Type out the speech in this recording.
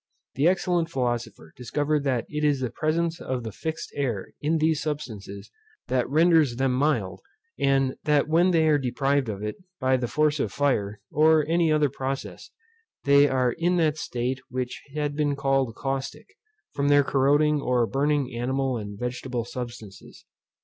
This excellent philosopher discovered that it is the presence of the fixed air in these substances that renders them mild, and that when they are deprived of it, by the force of fire, or any other process, they are in that state which had been called caustic, from their corroding or burning animal and vegetable substances.